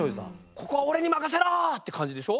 「ここは俺に任せろ！」って感じでしょ？